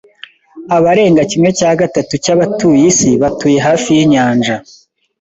Abarenga kimwe cya gatatu cyabatuye isi batuye hafi yinyanja.